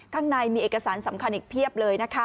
ข้างในมีเอกสารสำคัญอีกเพียบเลยนะคะ